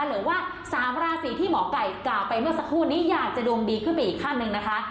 หรือว่า๓ราศีที่หมอไก่กล่าวไปเมื่อสักครู่นี้อยากจะดวงดีขึ้นไปอีกขั้นหนึ่งนะคะ